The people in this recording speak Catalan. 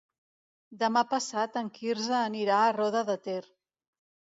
Demà passat en Quirze anirà a Roda de Ter.